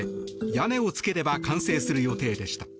屋根をつければ完成する予定でした。